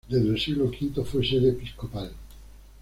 Desde el siglo V fue sede episcopal.